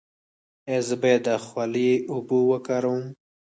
ایا زه باید د خولې اوبه وکاروم؟